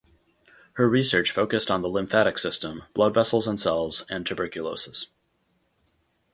Her research focused on the lymphatic system, blood vessels and cells, and tuberculosis.